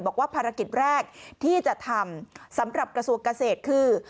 บอกว่าภารกิจแรกที่จะทำสำหรับกระทรวงเกษตรคือ